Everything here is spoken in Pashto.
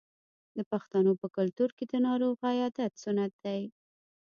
د پښتنو په کلتور کې د ناروغ عیادت سنت دی.